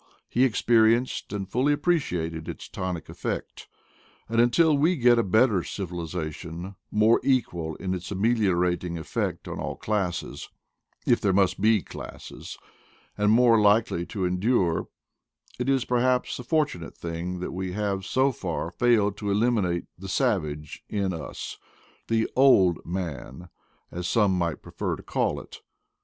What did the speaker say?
He experienced and fully appreciated its tonic effect. And until we get a better civilization more equal in its ameliorating effect on all classes — if there must be classes —^ and more likely to endure, it is perhaps a fortu nate thing that we have so far failed to eliminate the "savage" in us — the "Old Man" as some might prefer to call it.